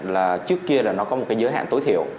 là trước kia là nó có một cái giới hạn tối thiểu